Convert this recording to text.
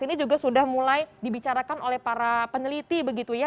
ini juga sudah mulai dibicarakan oleh para peneliti begitu ya